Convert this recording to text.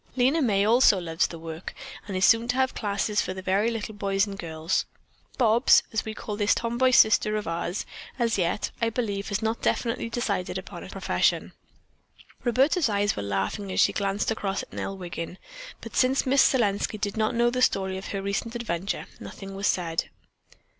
Lena May also loves the work, and is soon to have classes for the very little boys and girls. Bobs, as we call this tom boy sister of ours, as yet, I believe, has not definitely decided upon a profession." Roberta's eyes were laughing as she glanced across at Nell Wiggin, but since Miss Selenski did not know the story of her recent adventure, nothing was said.